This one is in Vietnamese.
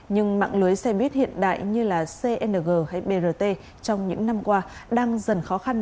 nhưng mạng lưới xe buýt hiện đại như là cng hay brt trong những năm qua đang dần khó khăn